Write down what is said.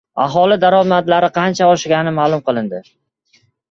Aholi daromadlari qanchaga oshgani ma’lum qilindi